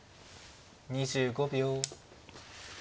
２５秒。